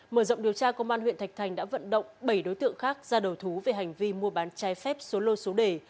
mở rộng điều tra công an huyện thạch thành đã vận động bảy đối tượng khác ra đầu thú về hành vi mua bán trái phép số lô số đề